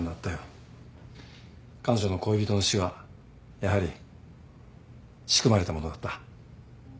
彼女の恋人の死はやはり仕組まれたものだった。